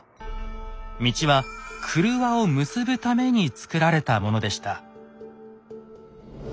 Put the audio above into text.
道は郭を結ぶためにつくられたものでした。